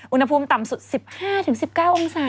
อุณหภูมิต่ำสุด๑๕๑๙องศา